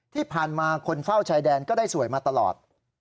ที่ผ่านมาคนเฝ้าชายแดนก็ได้สวยมาตลอด